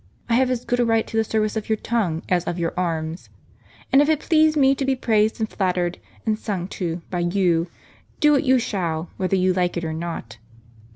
I have as good a right to the service of your tongue as of your arms ; and if it please me to be praised, and iiattered, and sung to, by you, do it you shall, whether you like it or not.